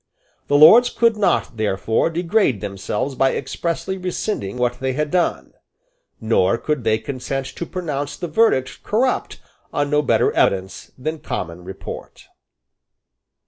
The Lords could not therefore degrade themselves by expressly rescinding what they had done; nor could they consent to pronounce the verdict corrupt on no better evidence than common report.